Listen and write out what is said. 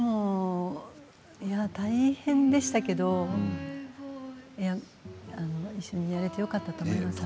大変でしたけど一緒にやれてよかったと思います。